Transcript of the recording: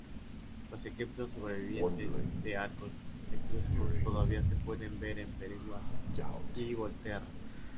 Los ejemplos sobrevivientes de arcos etruscos todavía se pueden ver en Perugia y Volterra.